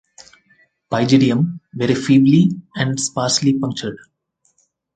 Pygidium very feebly and sparsely punctured.